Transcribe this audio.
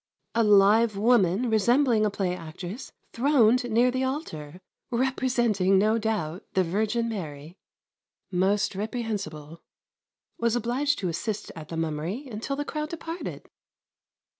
A live woman resembling a play actress throned near the altar, representing no doubt the Virgin Mary. Most reprehensible. Was obliged to assist at the mummery until the crowd departed.